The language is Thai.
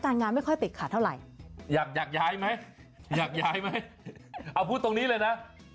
อยากย้ายไหมอยากย้ายไหมพูดตรงนี้เลยนะ